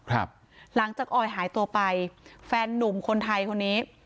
หลังจากออยหายตัวไปแฟนนุ่มคนไทยคนนี้